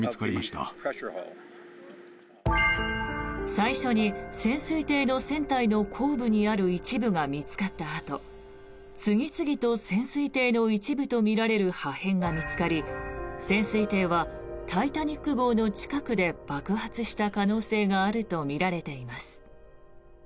最初に、潜水艇の船体の後部にある一部が見つかったあと次々と潜水艇の一部とみられる破片が見つかり潜水艇は「タイタニック号」の近くで爆発した可能性があるとみられています。